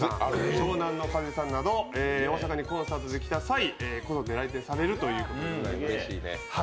湘南乃風さんなど、大阪にコンサートで行た際、好んで来店されるということでございます。